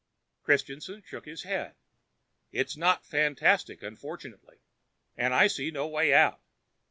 Christianson shook his head. "It's not fantastic, unfortunately. And I see no way out.